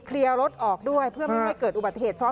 รถออกด้วยเพื่อไม่ให้เกิดอุบัติเหตุซ้อน